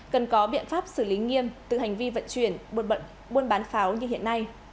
cần có biện pháp xử lý nghiêm từ hành vi vận chuyển buôn bán pháo như hiện nay